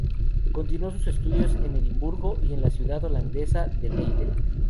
Continuó sus estudios en Edimburgo y en la ciudad holandesa de Leiden.